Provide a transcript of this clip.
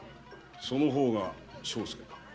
その方が庄助か？